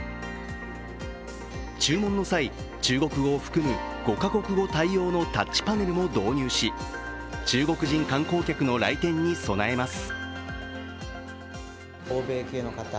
注文の際、中国語を含む５か国語対応のタッチパネルも導入し中国人観光客の来店に備えます。